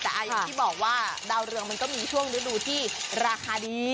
แต่อย่างที่บอกว่าดาวเรืองมันก็มีช่วงฤดูที่ราคาดี